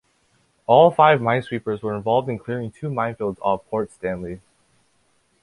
All five minesweepers were involved in clearing two minefields off Port Stanley.